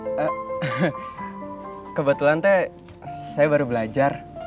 sebelumnya kebetulan teh saya baru belajar